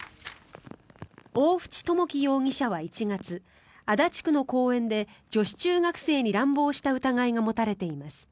大淵友貴容疑者は１月足立区の公園で女子中学生に乱暴した疑いが持たれています。